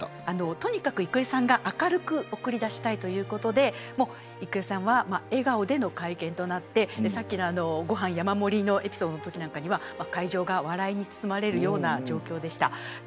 とにかく郁恵さんが明るく送り出したいということで笑顔での会見となってご飯山盛りのエピソードのときは会場が笑いに包まれるような状況でした。